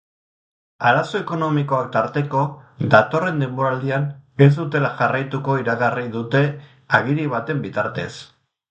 Arazo ekonomikoak tarteko datorren denboraldian ez dutela jarraituko iragarri dute agiri baten bitartez.